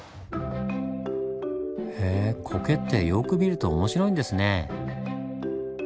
へえコケってよく見ると面白いんですねぇ。